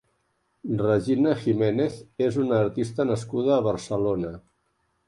Regina Giménez és una artista nascuda a Barcelona.